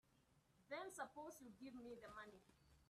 Then suppose you give me the money.